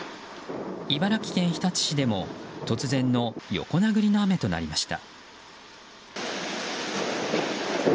茨城県日立市でも突然の横殴りの雨となりました。